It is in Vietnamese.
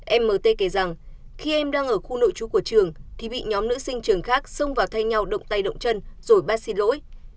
emmt kể rằng khi em đang ở khu nội chú của trường thì bị nhóm nữ sinh trường khác xông vào thay nhau động tay động chân rồi bắt xin lỗi